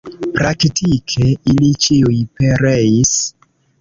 Praktike ili ĉiuj pereis.